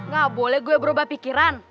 gak boleh gue berubah pikiran